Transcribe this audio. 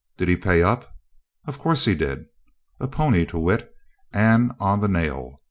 Did he pay up? Of course he did. A "pony", to wit, and on the nail.